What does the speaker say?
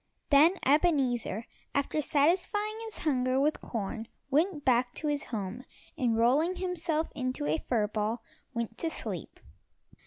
Then Ebenezer, after satisfying his hunger with corn, went back to his home, and rolling himself into a fur ball, went to sleep.